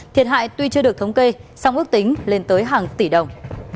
thiệt hại tuy chưa được thống kê song ước tính lên tới hàng tỷ đồng